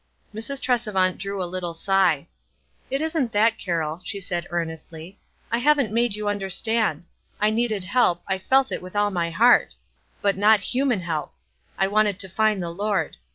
Mrs. Tresevant drew a little sigh. "It isn't that, Carroll," she said, earnestly. "I haven't made 3*011 understand. I needed help, I felt it with all my heart ; but not human help. I wanted to find the Lord.